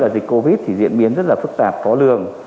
dịch covid diễn biến rất phức tạp khó lường